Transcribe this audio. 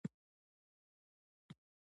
لوګری چې ستړی شي نو لور په لوټه تېروي.